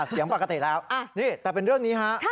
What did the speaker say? เสียงปกติแล้วนี่แต่เป็นเรื่องนี้ฮะ